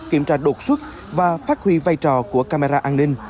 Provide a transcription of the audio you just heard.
kiểm tra đột xuất và phát huy vai trò của camera an ninh